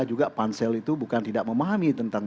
juga pansel itu bukan tidak memahami tentang